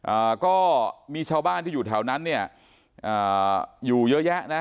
อ่าก็มีชาวบ้านที่อยู่แถวนั้นเนี่ยอ่าอยู่เยอะแยะนะ